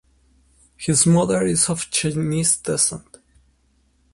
His mother is of Chinese descent.